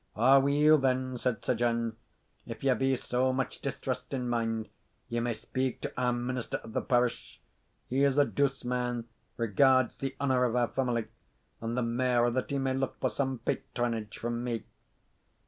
"Aweel then," said Sir John, "if you be so much distressed in mind, you may speak to our minister of the parish; he is a douce man, regards the honour of our family, and the mair that he may look for some patronage from me."